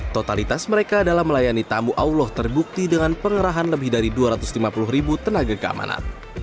totalitas mereka dalam melayani tamu allah terbukti dengan pengerahan lebih dari dua ratus lima puluh ribu tenaga keamanan